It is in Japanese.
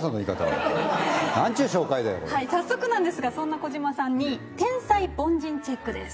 早速なんですがそんな児嶋さんに天才★凡人チェックです。